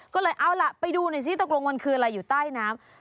ก็เลยเอาล่ะไปดูหน่อยซิตกลงมันคืออะไรอยู่ใต้น้ำ